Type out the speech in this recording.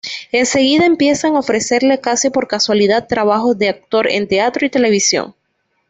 Enseguida empiezan a ofrecerle, casi por casualidad, trabajos de actor en teatro y televisión.